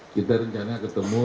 kita rencana ketemu